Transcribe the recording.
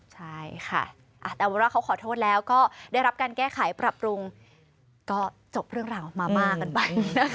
ใช่ค่ะแต่ว่าเขาขอโทษแล้วก็ได้รับการแก้ไขปรับปรุงก็จบเรื่องราวมาม่ากันไป